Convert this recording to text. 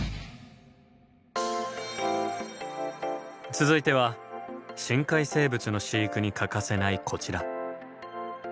続いては深海生物の飼育に欠かせないこちら。